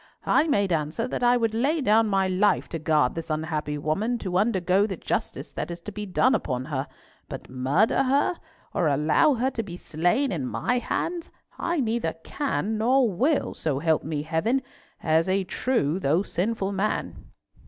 "I made answer that I would lay down my life to guard this unhappy woman to undergo the justice that is to be done upon her, but murder her, or allow her to be slain in my hands, I neither can nor will, so help me Heaven, as a true though sinful man."